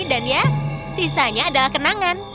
dan ya sisanya adalah kenangan